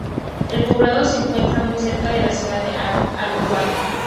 El poblado se encuentra muy cerca de la ciudad de Aguaray.